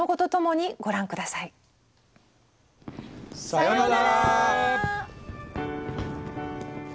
さようなら！